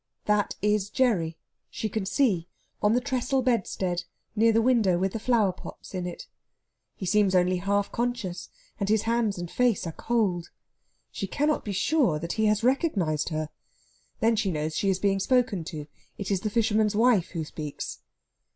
That is Gerry, she can see, on the trestle bedstead near the window with the flowerpots in it. He seems only half conscious, and his hands and face are cold. She cannot be sure that he has recognised her. Then she knows she is being spoken to. It is the fisherman's wife who speaks.